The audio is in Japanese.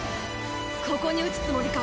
ここに撃つつもりか？